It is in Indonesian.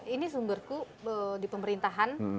ini sumberku di pemerintahan